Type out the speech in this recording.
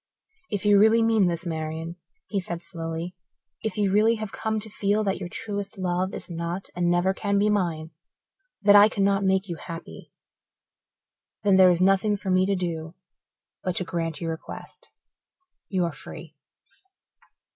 "If you really mean this, Marian," he said slowly, "if you really have come to feel that your truest love is not and never can be mine that I cannot make you happy then there is nothing for me to do but to grant your request. You are free."